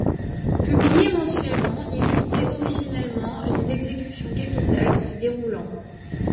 Publié mensuellement, il listait originellement les exécutions capitales s'y déroulant.